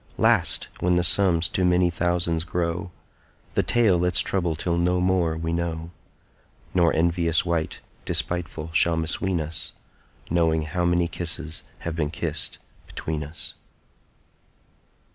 Last when the sums to many thousands grow, 10 The tale let's trouble till no more we know, Nor envious wight despiteful shall misween us Knowing how many kisses have been kissed between us.